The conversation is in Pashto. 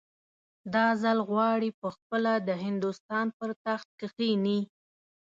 دا ځل غواړي پخپله د هندوستان پر تخت کښېني.